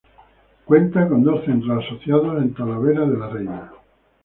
Cuenta con dos centros asociados en Talavera de la Reina.